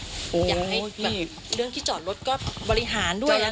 อยากให้เรื่องที่จอดรถก็บริหารด้วยอะไร